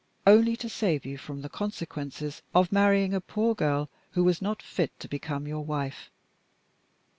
Only to save you from the consequences of marrying a poor girl who was not fit to become your wife.